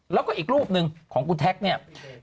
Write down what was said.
แล้วก็อีกรูปหนึ่งของคุณแท็กเนี่ย